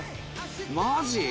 「マジ！？」